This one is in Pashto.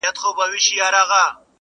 که لومړۍ ورځ يې پر غلا واى زه ترټلى!.